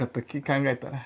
考えたら。